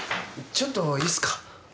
ちょっといいっすか？